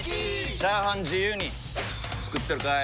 チャーハン自由に作ってるかい！？